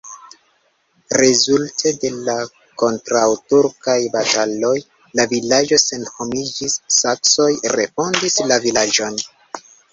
Rezulte de la kontraŭturkaj bataloj la vilaĝo senhomiĝis, saksoj refondis la vilaĝon.